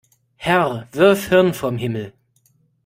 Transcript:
Herr, wirf Hirn vom Himmel!